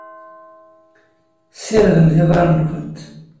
Ssirdemt iḍarren-nwent.